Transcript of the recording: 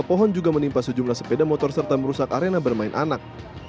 pohon juga menimpa sejumlah sepeda motor serta merusak arena bermain anak